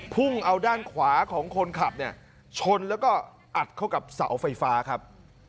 พุ่งเอาด้านขวาของคนขับเนี่ยชนแล้วก็อัดเข้ากับเสาไฟฟ้าครับ